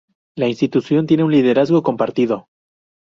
La institución tiene un liderazgo compartido.